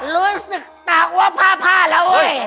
ลื้นสึกตากว่าผ้าแล้วเฮ้ย